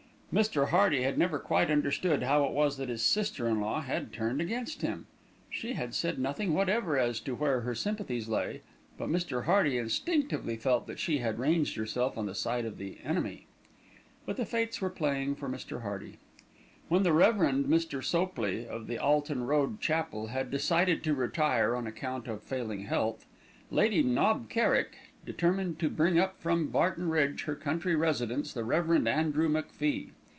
Mr. Hearty had never quite understood how it was that his sister in law had turned against him. She had said nothing whatever as to where her sympathies lay; but Mr. Hearty instinctively felt that she had ranged herself on the side of the enemy. But the fates were playing for Mr. Hearty. When the Rev. Mr. Sopley, of the Alton Road Chapel, had decided to retire on account of failing health, Lady Knob Kerrick determined to bring up from Barton Bridge, her country residence, the Rev. Andrew MacFie.